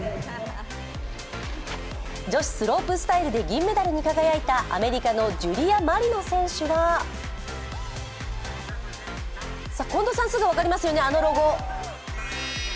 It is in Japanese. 女子スロープスタイルで銀メダルに輝いたアメリカのジュリア・マリノ選手は近藤さん、すぐ分かりますよね、あのロゴ。